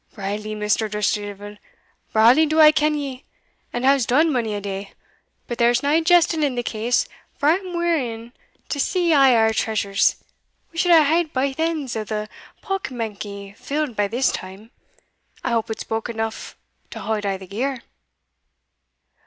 "Brawly, Mr. Dusterdeevil brawly do I ken ye, and has done mony a day; but there's nae jesting in the case, for I am wearying to see ae our treasures; we should hae had baith ends o' the pockmanky filled by this time I hope it's bowk eneugh to haud a' the gear?"